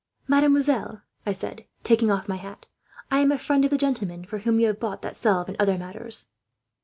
"'Mademoiselle,' I said, taking off my hat, 'I am a friend of the gentleman for whom you have bought that salve, and other matters.'